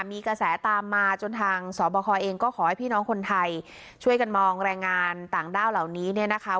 มีกระแสตามมาจนทางสบคเองก็ขอให้พี่น้องคนไทยช่วยกันมองแรงงานต่างด้าวเหล่านี้เนี่ยนะคะ